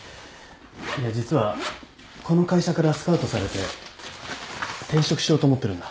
いや実はこの会社からスカウトされて転職しようと思ってるんだ。